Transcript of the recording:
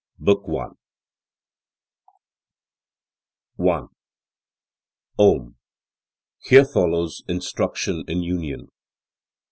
BOOK I 1. OM: Here follows Instruction in Union.